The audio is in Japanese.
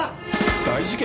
大事件？